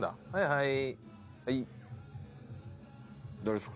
はい。